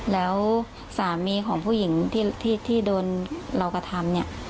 แล้วสามีของผู้หญิงที่โดนเรากระทำเนี่ย